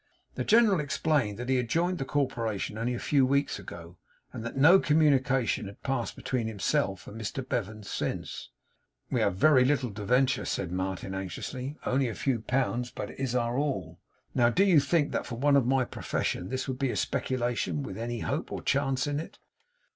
The General explained that he had joined the Corporation only a few weeks ago, and that no communication had passed between himself and Mr Bevan since. 'We have very little to venture,' said Martin anxiously 'only a few pounds but it is our all. Now, do you think that for one of my profession, this would be a speculation with any hope or chance in it?